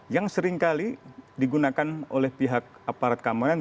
yang seringkali digunakan oleh pihak aparat keamanan